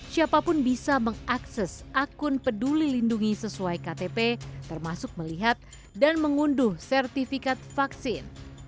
siapapun bisa mengakses akun peduli lindungi sesuai ktp termasuk melihat dan mengunduh sertifikat vaksin